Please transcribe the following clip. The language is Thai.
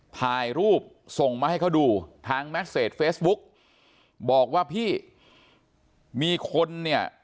ถ่ายรูปส่งมาให้เขาดูทางแมสเซจเฟซบุ๊กบอกว่าพี่มีคนเนี่ย